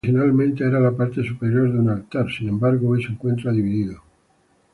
Originalmente era la parte superior de un altar; sin embargo, hoy se encuentra dividido.